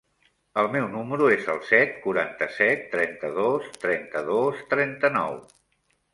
El meu número es el set, quaranta-set, trenta-dos, trenta-dos, trenta-nou.